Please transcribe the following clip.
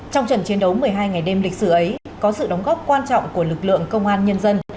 trong trận chiến đấu một mươi hai ngày đêm lịch sử ấy có sự đóng góp quan trọng của lực lượng công an nhân dân